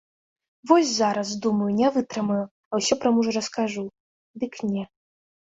Вось зараз, думаю, не вытрымаю, а ўсё пра мужа раскажу, дык не.